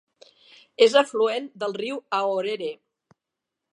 És afluent del riu Aorere.